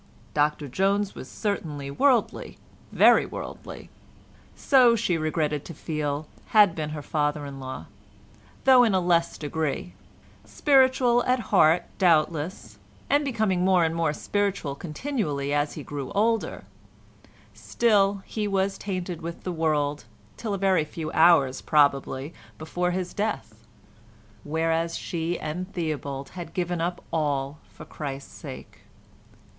Dr Jones was certainly worldly—very worldly; so, she regretted to feel, had been her father in law, though in a less degree; spiritual, at heart, doubtless, and becoming more and more spiritual continually as he grew older, still he was tainted with the world, till a very few hours, probably, before his death, whereas she and Theobald had given up all for Christ's sake.